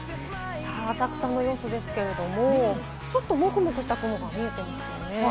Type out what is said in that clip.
浅草の様子ですけれど、ちょっと、もくもくした雲がありますね。